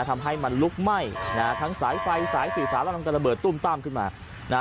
ทำให้มันลุกไหม้ทั้งสายไฟสายศีรษะแล้วกับระเบิดตุ้มตั้มขึ้นมา